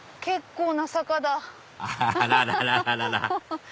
結構な坂だ。